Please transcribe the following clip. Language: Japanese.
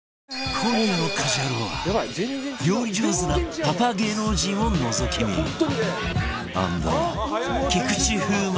今夜の『家事ヤロウ！！！』は料理上手なパパ芸能人をのぞき見＆菊池風磨